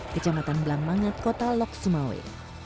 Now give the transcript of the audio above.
kecamatan blambangat kota lok sumawai